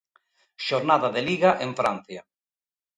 Xornada de Liga en Francia.